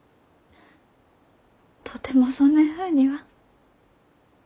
とてもそねんふうには。